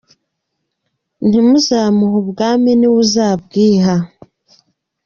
ntimuzamuhe ubwami ni we uzabwiha”.